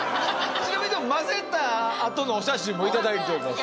ちなみにでも混ぜたあとのお写真も頂いております。